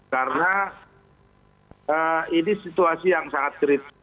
karena ini situasi yang sangat kritik